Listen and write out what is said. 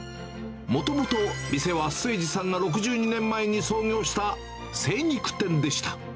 もともと、店は末治さんが６２年前に創業した精肉店でした。